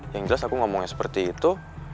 yang jelas aku ngomongnya seperti itu